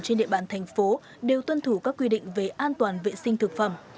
trên địa bàn thành phố đều tuân thủ các quy định về an toàn vệ sinh thực phẩm